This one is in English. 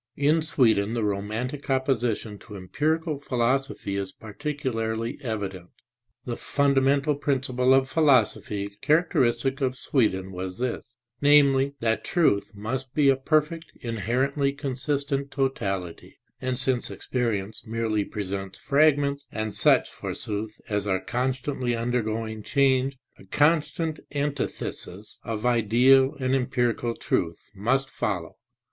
In Sweden the romantic opposition to empirical philosophy is particularly evident. The fundamental principle of the philosophy characteristic of Sweden was this, namely, that truth must be a perfect, inherently consistent totality, and since experience merely presents fragments, and such forsooth as are constantly undergoing change, a constant antithesis of ideal and empirical truth must fol low.